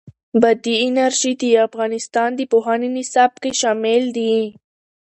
بادي انرژي د افغانستان د پوهنې نصاب کې شامل دي.